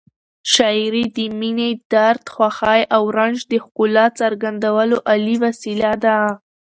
شاعري د مینې، درد، خوښۍ او رنج د ښکلا څرګندولو عالي وسیله ده.